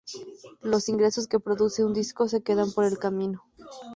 los ingresos que produce un disco se quedan por el camino